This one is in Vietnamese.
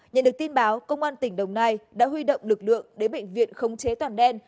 nhận được tin báo công an tỉnh đồng nai đã huy động lực lượng đến bệnh viện khống chế toàn đen